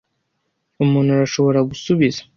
Umuntu arashobora gusubiza?